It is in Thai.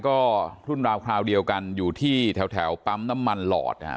ก็รุ่นราวคราวเดียวกันอยู่ที่แถวปั๊มน้ำมันหลอดนะครับ